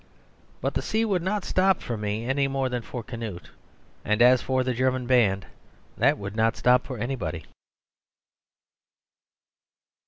But the sea would not stop for me any more than for Canute; and as for the German band, that would not stop for anybody.